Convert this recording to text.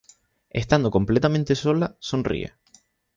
Estando completamente sola, sonríe.